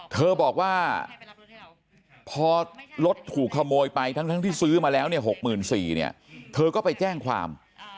เธอบอกว่าพอรถถูกขโมยไปทั้งที่ซื้อมาแล้วเนี่ย๖๔๐๐เนี่ยเธอก็ไปแจ้งความ